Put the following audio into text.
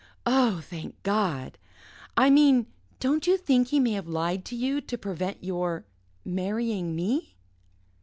Oh, thank God! I mean, don't you think he may have lied to you to prevent your marrying me?"